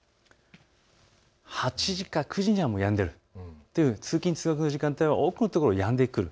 ８時か９時にはもうやんでいる、通勤通学の時間帯は多くの所やんでくる。